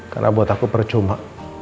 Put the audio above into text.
karena buat aku percuma